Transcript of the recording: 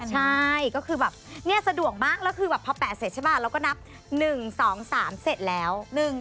ใช่ก็คือแบบเนี่ยสะดวกมากแล้วคือแบบพอ๘เสร็จใช่ป่ะเราก็นับ๑๒๓เสร็จแล้ว